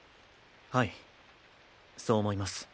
はいそう思います。